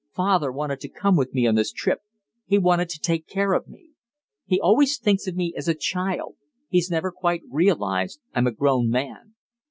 Father wanted to come with me on this trip; he wanted to take care of me. He always thinks of me as a child; he's never quite realised I'm a grown man.